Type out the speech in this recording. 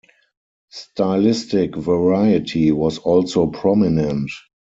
Stylistic variety was also prominent.